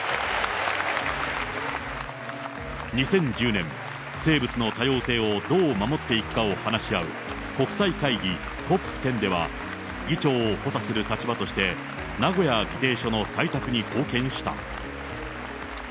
２０１０年、生物の多様性をどう守っていくかを話し合う国際会議、ＣＯＰ１０では、議長を補佐する立場として、名古屋議定書の採択に貢献した。